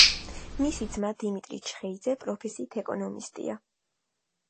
მისი ძმა დიმიტრი ჩხეიძე პროფესიით ეკონომისტია.